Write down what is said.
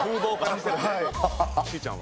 しーちゃんは？